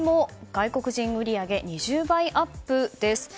外国人売り上げ２０倍アップです。